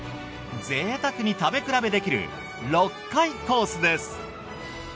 ぜいたくに食べ比べできる６回コースです。